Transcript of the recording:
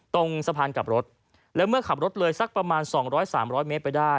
ตรงสะพานกลับรถแล้วเมื่อขับรถเลยสักประมาณ๒๐๐๓๐๐เมตรไปได้